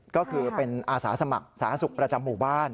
ก็คือเป็นอาสาสมัครสาธารณสุขประจำหมู่บ้าน